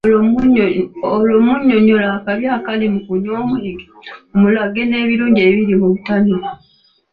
Olwo munnyonnyole akabi akali mu kunywa omwenge, omulage n’ebirungi ebiri mu butanywa.